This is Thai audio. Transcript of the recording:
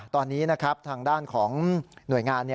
ตอนนี้ทางด้านของหน่วยงาน